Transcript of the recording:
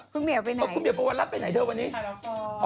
คุณเหมียววันลับไปไหนเท่าวันนี้